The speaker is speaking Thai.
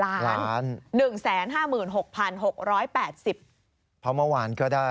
เลข๓หายไปแล้วเนอะ